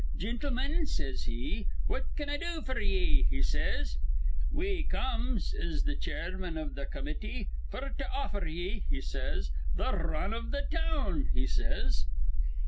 'Gintlemen,' says he, 'what can I do f'r ye?' he says. 'We come,' says th' chairman iv th' comity, 'f'r to offer ye,' he says, 'th' r run iv th' town,' he says.